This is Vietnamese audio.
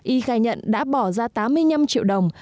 y khai nhận đã bỏ ra tám mươi năm triệu đồng